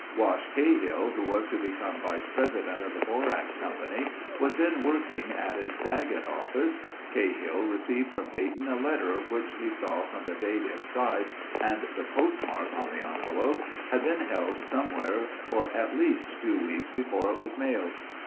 Wash Cahill, who was to become vice president of the borax company, was then working at its Daggett office. Cahill received from Dayton a letter which he saw from the date inside and the postmark on the envelope, had been held somewhere for at least two weeks before it was mailed.